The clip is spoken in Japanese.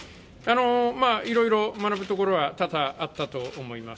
いろいろ学ぶところは多々あったと思います。